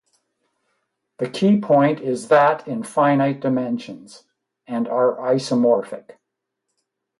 The key point is that in finite dimensions, and are isomorphic.